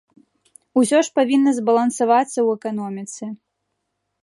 Усё ж павінна збалансавацца ў эканоміцы.